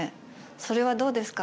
それはどうですか。